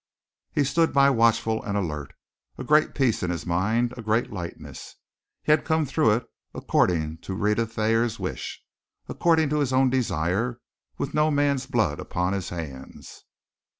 He stood by watchful and alert, a great peace in his mind, a great lightness. He had come through it according to Rhetta Thayer's wish, according to his own desire, with no man's blood upon his hands.